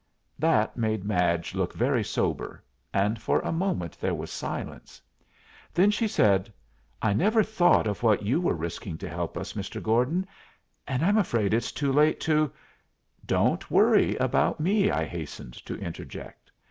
That made Madge look very sober, and for a moment there was silence. Then she said, "I never thought of what you were risking to help us, Mr. Gordon. And I'm afraid it's too late to " "Don't worry about me," I hastened to interject.